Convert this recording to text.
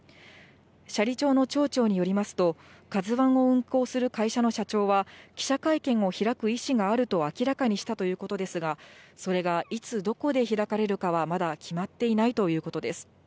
斜里町の町長によりますと、カズワンを運航する会社の社長は、記者会見を開く意思があると明らかにしたということですが、それがいつどこで開かれるかは、まだ決まっていないということです。